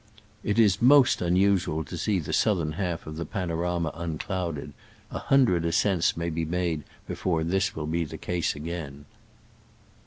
t It is most unusual to see the southern half of the panorama unclouded. A hundred ascents may be made before this will be the case again.